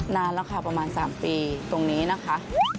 นานแล้วค่ะประมาณ๓ปีตรงนี้นะคะ